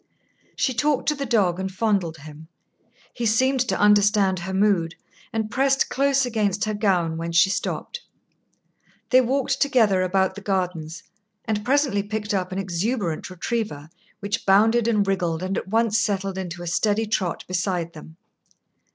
She talked to the dog and fondled him. He seemed to understand her mood, and pressed close against her gown when she stopped. They walked together about the gardens, and presently picked up an exuberant retriever, which bounded and wriggled and at once settled into a steady trot beside them.